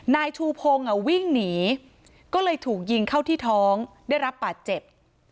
นายชูพงศ์วิ่งหนีก็เลยถูกยิงเข้าที่ท้องได้รับบาดเจ็บ